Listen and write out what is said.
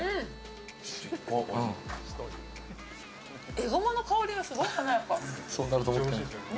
エゴマの香りが、すごい華やか。